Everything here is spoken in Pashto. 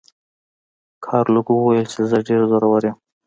ګارلوک وویل چې زه ډیر زورور یم.